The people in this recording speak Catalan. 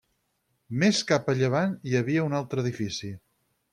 Més cap a llevant hi havia un altre edifici.